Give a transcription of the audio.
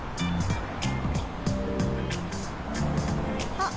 あっ！